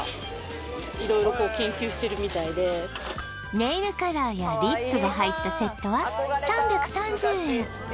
ネイルカラーやリップが入ったセットは３３０円